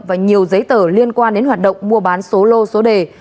và nhiều giấy tờ liên quan đến hoạt động mua bán số lô số đề